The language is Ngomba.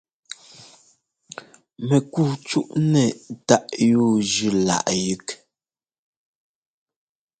Mɛkúu cúꞌnɛ́ táꞌ yúujʉ́ láꞌ yɛ́k.